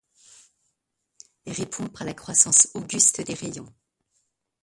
Répond par la croissance auguste des rayons.